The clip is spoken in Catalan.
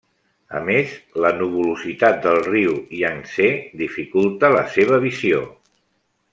A més, la nuvolositat del riu Iang-Tsé dificulta la seva visió.